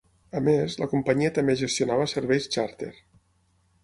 A més, la companyia també gestionava serveis xàrter.